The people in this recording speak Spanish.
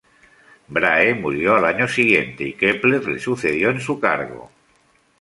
Brahe murió al año siguiente y Kepler le sucedió en su cargo.